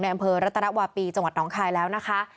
อำเภอรัตนวาปีจังหวัดน้องคายแล้วนะคะ